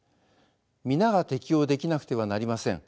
皆が適応できなくてはなりません。